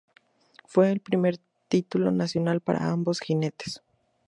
Fue el primer título nacional para ambos jinetes.